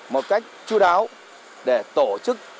một cách chú đáo để tổ chức